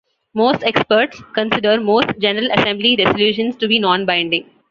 Most experts consider most General Assembly resolutions to be non-binding.